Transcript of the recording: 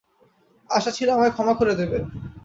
আশা ছিল আমায় ক্ষমা করে দেবে।